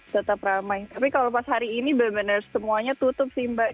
tetap ramai tapi kalau pas hari ini benar benar semuanya tutup sih mbak